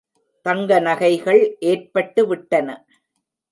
தங்க நகைள் ஏற்பட்டுவிட்டன.